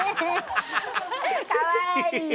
かわいい。